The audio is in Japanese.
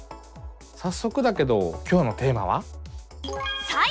さっそくだけど今日のテーマは？